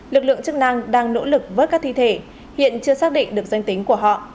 lực lượng chức năng đang nỗ lực vớt các thi thể hiện chưa xác định được danh tính của họ